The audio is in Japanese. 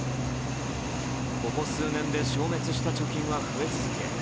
ここ数年で消滅した貯金は増え続け